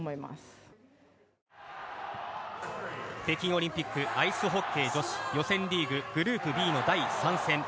北京オリンピックアイスホッケー女子予選リーグ、グループＢの第３戦。